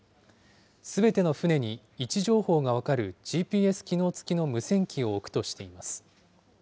すべての舟に位置情報が分かるＧＰＳ機能付きの無線機を置くとしています。